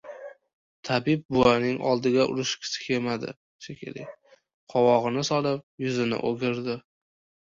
Tabib buvaning oldida urishgisi kelmadi shekilli, qovog‘ini solib, yuzini o‘girdi.